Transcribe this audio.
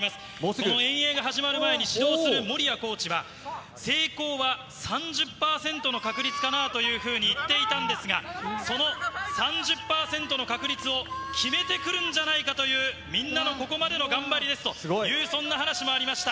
この遠泳が始まる前に指導するもりやコーチは、成功は３０％の確率かなというふうに言っていたんですが、その３０％の確率を決めてくるんじゃないかという、みんなのここまでの頑張りですという、そんな話もありました。